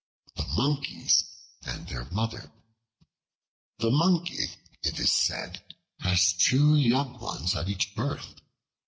The Monkeys and Their Mother THE MONKEY, it is said, has two young ones at each birth.